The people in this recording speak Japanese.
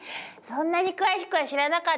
そんなに詳しくは知らなかったわ。